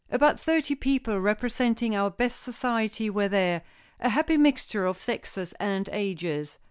"About thirty people representing our best society were there, a happy mixture of sexes and ages.